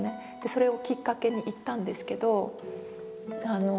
それをきっかけに行ったんですけど。